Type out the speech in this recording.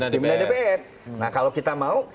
pimpinan dpr nah kalau kita mau